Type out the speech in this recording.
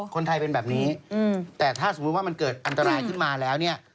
คนไทยเป็นแบบนี้แต่ถ้าสมมุติว่ามันเกิดอันตรายขึ้นมาแล้วเนี่ย